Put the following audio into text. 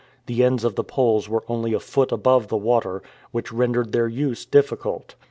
The ends of the poles were only a foot above the water, which rendered their use difficult.